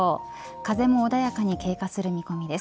風も穏やかに経過する見込みです。